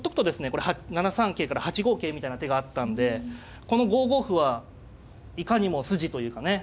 これ７三桂から８五桂みたいな手があったんでこの５五歩はいかにも筋というかね